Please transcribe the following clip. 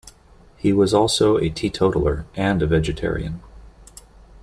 He was also a teetotaler and a vegetarian.